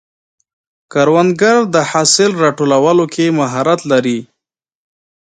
کروندګر د حاصل راټولولو کې مهارت لري